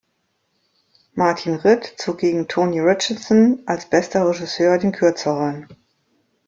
Martin Ritt zog gegen Tony Richardson als "Bester Regisseur" den Kürzeren.